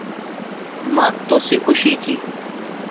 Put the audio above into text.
مانک تو سين خوشي ٿي